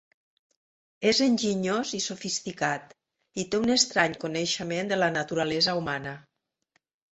És enginyós i sofisticat i té un estrany coneixement de la naturalesa humana.